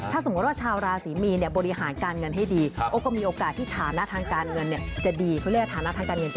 ถ้าสมมติชาวราศีมีนบริหารการเงินให้ดีมีโอกาสที่ฐานทางการเงินจะมั่นคง